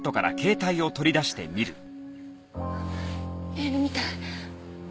メールみたい。